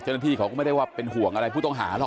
เจ้าหน้าที่เขาก็ไม่ได้ว่าเป็นห่วงอะไรผู้ต้องหาหรอก